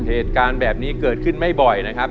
เหตุการณ์แบบนี้เกิดขึ้นไม่บ่อยนะครับ